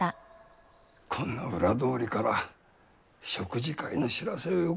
こんな裏通りから食事会の知らせをよこすなんざ。